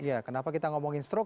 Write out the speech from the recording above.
ya kenapa kita ngomongin stroke